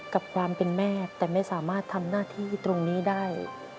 กับความเป็นแม่แต่ไม่สามารถทำหน้าที่ตรงนี้ได้